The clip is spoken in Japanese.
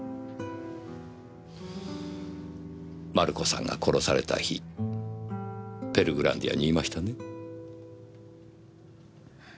マルコさんが殺された日ペルグランディアにいましたね？